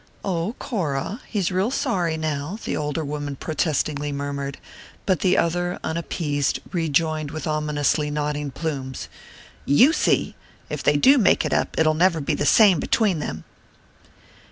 "Oh, Cora, he's real sorry now," the older woman protestingly murmured; but the other, unappeased, rejoined with ominously nodding plumes: "You see if they do make it up, it'll never be the same between them!"